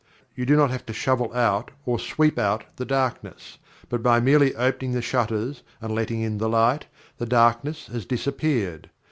You do not have to shovel out or sweep out the Darkness, but by merely opening the shutters and letting in the Light the Darkness has disappeared.